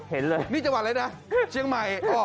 เห็นเลยนี่จังหวัดอะไรนะเชียงใหม่